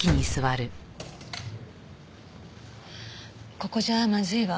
ここじゃまずいわ。